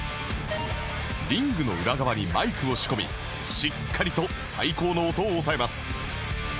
リングの裏側にマイクを仕込みしっかりと最高の音を押さえます